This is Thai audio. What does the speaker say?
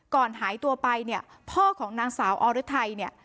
ก่อนหายตัวไปเนี้ยพ่อของนางสาวอรไทยเนี้ย